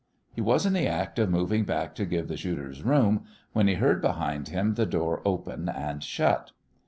He was in the act of moving back to give the shooters room, when he heard behind him the door open and shut.